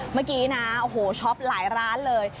เมื่อกี้นะโอ้โหช็อปหลายร้านเลย